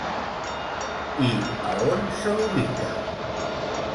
I a on se l'ubica?